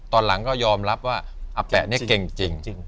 ตอนหลังก็ยอมรับว่าอาแปะนี่เก่งจริง